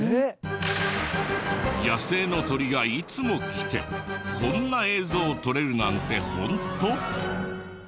野生の鳥がいつも来てこんな映像撮れるなんてホント！？